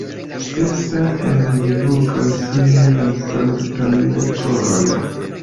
Sesa elvokas la Sanktan Koron.